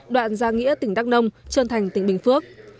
đoạn gia nghĩa tỉnh đắk nông trơn thành tỉnh bình phước